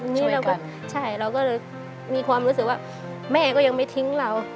นี่เราก็ใช่เราก็เลยมีความรู้สึกว่าแม่ก็ยังไม่ทิ้งเรา